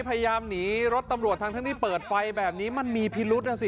พยายามหนีรถตำรวจทั้งที่เปิดไฟแบบนี้มันมีพิรุษนะสิ